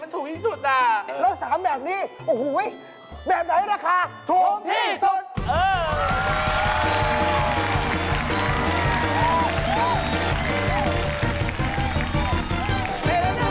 ถูกที่สุด